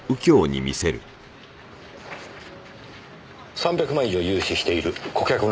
３００万以上融資している顧客の名簿ですね。